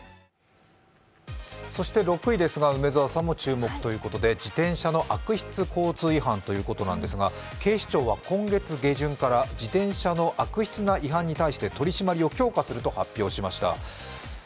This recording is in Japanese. そして６位ですが梅澤さんも注目ということで自転車の悪質交通違反ということなんですが、警視庁が今月下旬から自転車の悪質な違反に対して取り締まりを強化すると発表しました。